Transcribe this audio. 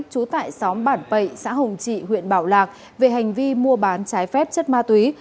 chú tại xóm bản vậy xã hồng trị huyện bảo lạc về hành vi mua bán trái phép chất ma túy